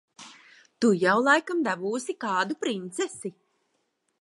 Tu jau laikam dabūsi kādu princesi.